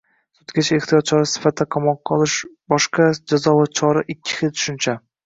sudgacha ehtiyot chorasi sifatida qamoqqa olish boshqa. Jazo va chora ikki xil tushuncha.